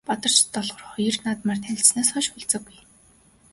Бадарч Долгор хоёр наадмаар танилцсанаас хойш уулзаагүй.